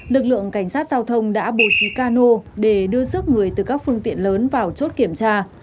lực lượng cảnh sát giao thông đã bố trí cano để đưa rước người từ các phương tiện lớn vào chốt kiểm tra